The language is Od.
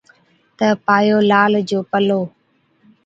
تہ پايو لال جو پلو